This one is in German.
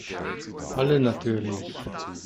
Alle natürlich.